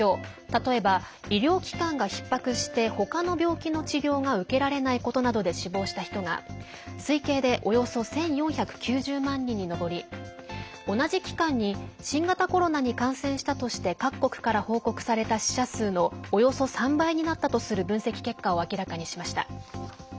例えば医療機関がひっ迫してほかの病気の治療が受けられないことなどで死亡した人が推計でおよそ１４９０万人に上り同じ期間に新型コロナに感染したとして各国から報告された死者数のおよそ３倍になったとする分析結果を明らかにしました。